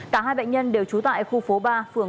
cả hai bệnh nhân đều trú tại khu phố ba phường quang ngân